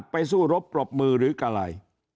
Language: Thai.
ไปสู้รบปรบมือหรือกับอะไร